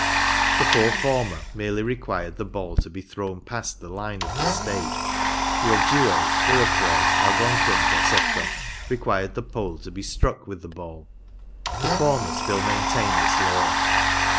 The four former merely required the ball to be thrown past the line of this stake ; the Objiways, Iroquois, Algonquins, &c., required the pole to be struck with the ball. The former still maintain this law.